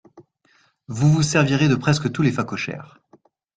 Vous vous servirez de presque tous les phacochères.